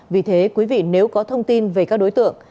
vì thế quý vị nếu có thông tin về các đối tượng